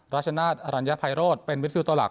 รัชนาธิ์อรัญญาไพโรดเป็นมิดฟิลด์ตัวหลัก